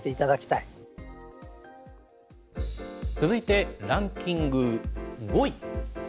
続いて、ランキング５位。